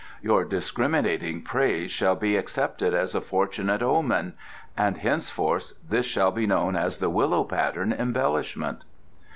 Your discriminating praise shall be accepted as a fortunate omen, and henceforth this shall be known as the Willow Pattern Embellishment."